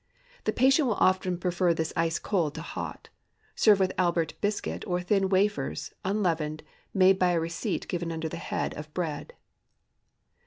The patient will often prefer this ice cold to hot. Serve with Albert biscuit or thin "wafers," unleavened, made by a receipt given under the head of BREAD.